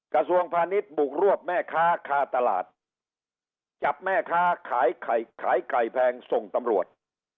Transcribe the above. กระทรวงพาณิชย์บุกรวบแม่ค้าคาตลาดจับแม่ค้าขายไข่ขายไก่แพงส่งตำรวจ